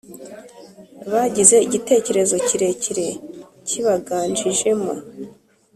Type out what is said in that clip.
bagize igitekerezo kirekira kigabanyijemo